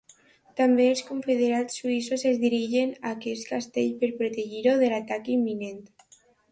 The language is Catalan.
També els confederats suïssos es dirigien a aquest castell per protegir-ho de l'atac imminent.